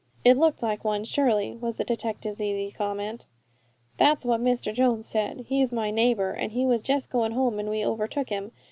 "It looked like one, surely," was the detective's easy comment. "That's what Mr. Jones said. He's my neighbour. He was just going home, and we overtook him.